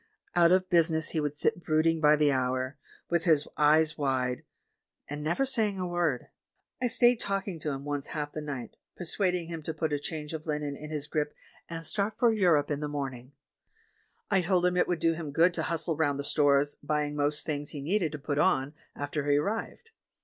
Out of busi ness he would sit brooding by the hour, with his eyes wide, and never saying a word. I stayed talking to him once half the night, persuading him to put a change of linen in his grip and start THE WOIVIAN WHO WISHED TO DIE 45 for Europe in the morning; I told him it would do him good to hustle round the stores, buying most things he needed to put on, after he arrived.